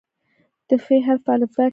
د "ف" حرف په الفبا کې دی.